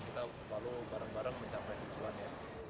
kita selalu bareng bareng mencapai tujuan ya